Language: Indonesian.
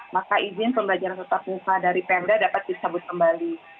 maka izin pembelajaran tatap muka dari pmd dapat disebut kembali